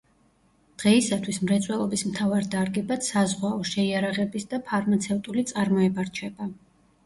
დღეისათვის მრეწველობის მთავარ დარგებად საზღვაო, შეიარაღების და ფარმაცევტული წარმოება რჩება.